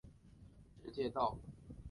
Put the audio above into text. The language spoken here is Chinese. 石街道是下辖的一个街道办事处。